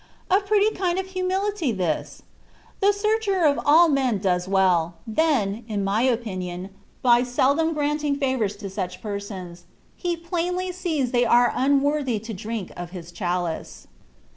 A pretty kind of humiUty this ! The searcher of all men does well, then (in my opinion), by seldom THB WAY OF PERFECTION. 87 granting favours to such persons: He plainly sees they are unworthy to drink of His chalice.